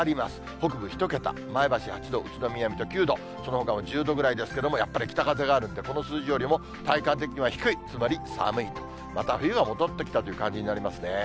北部１桁、前橋８度、宇都宮、水戸、９度、そのほかも１０度ぐらいですけど、やっぱり北風があるんで、この数字よりも体感的には低い、つまり寒いと、また冬が戻ってきたという感じになりますね。